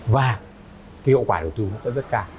và cái hiệu quả đầu tư cũng sẽ rất cao